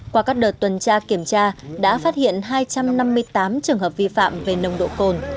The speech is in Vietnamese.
qua các đợt tuần tra kiểm tra đã phát hiện hai trăm năm mươi tám trường hợp vi phạm về nồng độ cồn